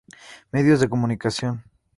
Medios de comunicación.